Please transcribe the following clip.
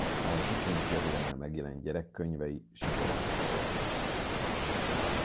A Viking Kiadónál megjelent gyerekkönyvei sikeresek volt.